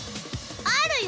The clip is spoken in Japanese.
あるよ！